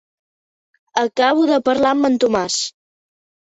Acabo de parlar amb el Tomàs.